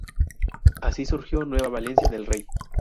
Así surgió Nueva Valencia del Rey.